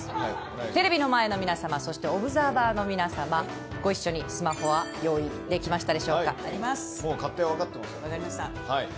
テレビの前の皆さまそしてオブザーバーの皆さまご一緒にスマホは用意できましたでしょうか。